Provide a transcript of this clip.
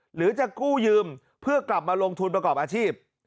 หรือจะกู้ยืมเพื่อกลับมาลงทุนประกอบอาชีพ